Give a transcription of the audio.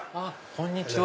こんにちは。